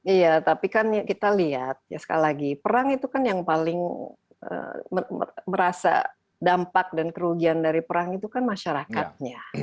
iya tapi kan kita lihat ya sekali lagi perang itu kan yang paling merasa dampak dan kerugian dari perang itu kan masyarakatnya